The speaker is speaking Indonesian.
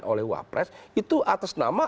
oleh wapres itu atas nama